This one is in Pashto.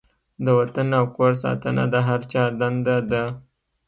د وطن او کور ساتنه د هر چا دنده ده.